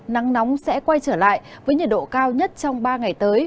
nắng nóng sẽ quay trở lại với nhiệt độ cao nhất trong ba ngày tới